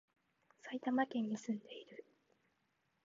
埼玉県に住んでいる